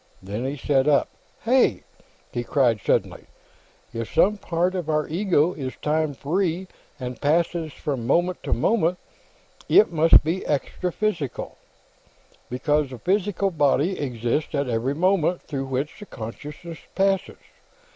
Then he sat up. "Hey!" he cried, suddenly. "If some part of our ego is time free and passes from moment to moment, it must be extraphysical, because the physical body exists at every moment through which the consciousness passes.